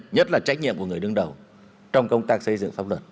nhất là trách nhiệm của người đứng đầu trong công tác xây dựng pháp luật